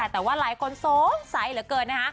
แต่ว่าหลายคนสงสัยเหลือเกินนะคะ